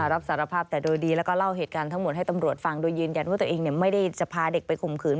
รับสารภาพแต่โดยดีแล้วก็เล่าเหตุการณ์ทั้งหมดให้ตำรวจฟังโดยยืนยันว่าตัวเองไม่ได้จะพาเด็กไปข่มขืน